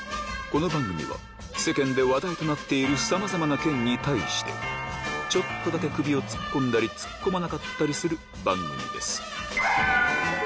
この番組は、世間で話題となっているさまざまな件に対して、ちょっとだけ首を突っ込んだり、突っ込まなかったりする番組です。